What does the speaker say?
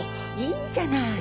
いいじゃない！